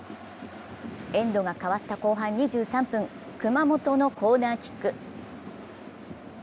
エンドが変わった後半２３分熊本のコーナーキック。